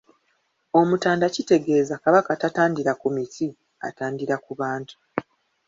Omutanda kitegeeza Kabaka tatandira ku miti, atandira ku bantu.